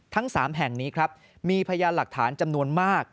ทั้ง๓แห่งนี้ครับมีพยานหลักฐานจำนวนมาก